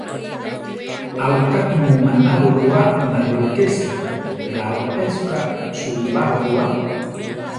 Awigá tumu manábo rua nayó késo; Iá oʼpésuka suwibabo rua.